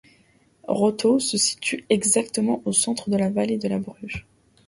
Rothau se situe exactement au centre de la vallée de la Bruche.